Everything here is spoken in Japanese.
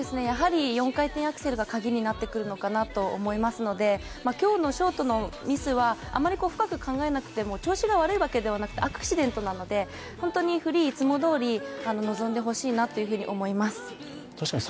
やはり４回転アクセルがカギになってくるのかなと思いますので今日のショートのミスはあまり深く考えなくても、調子が悪いわけではなくてアクシデントなので本当にフリー、いつもどおり臨んでほしいなと思います。